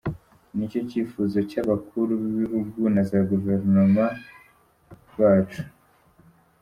Ni cyo cyifuzo cy’abakuru b’ibihugu na za guverinoma bacu.”